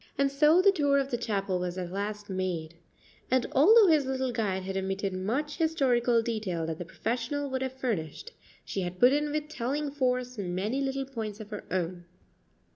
And so the tour of the chapel was at last made; and although his little guide had omitted much historical detail that the professional would have furnished, she had put in with telling force many little points of her own.